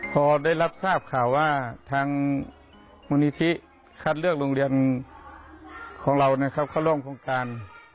พอได้รับทราบข่าวว่าทางมูลนิธิคัดเลือกโรงเรียนของเรานะครับเข้าร่วมโครงการ